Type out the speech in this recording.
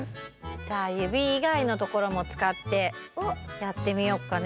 じゃあ指いがいのところもつかってやってみようかね。